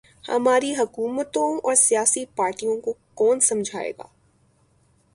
ہماری حکومتوں اور سیاسی پارٹیوں کو کون سمجھائے گا۔